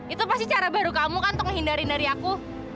itu pasti cara baru kamu kan untuk menghindari dari aku